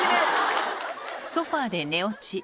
ソファーで寝落ち。